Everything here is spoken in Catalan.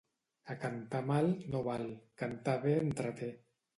A cantar mal, no val; cantar bé entreté.